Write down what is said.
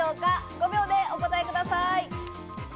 ５秒でお答えください。